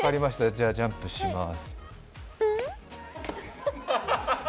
じゃ、ジャンプします。